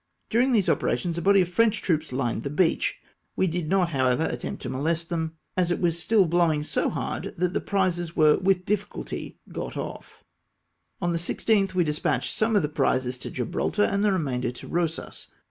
During these operations a body of French troops hned the beach ; we did not, however, attempt to molest them, as it was still blowmg so hard that the prizes were with difficulty got off. On the 16th we despatched some of the prizes to Gibraltar, and the remainder to Eosas.